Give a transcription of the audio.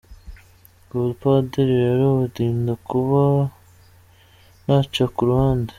Ubupadiri rero bundinda kuba naca ku ruhande.